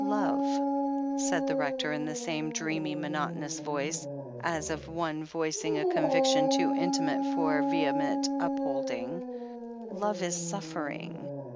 "Love," said the Rector in the same dreamy, monot onous voice, as of one voicing a conviction too intimate for vehement upholding, "Love is suffering.